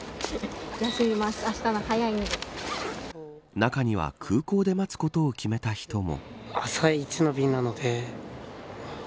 中には空港で待つことを決めた人も。